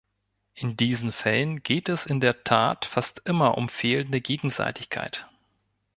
In diesen Fällen geht es in der Tat fast immer um fehlende Gegenseitigkeit.